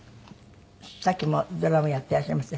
さっきもドラムやってらっしゃいました。